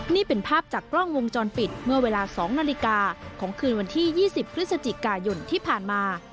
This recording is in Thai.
นี่เป็นภาพจากกล้องวงจรปิดเมื่อเวลา๒นาฬิกาของคืนวันที่๒๐พฤศจิกายนที่ผ่านมา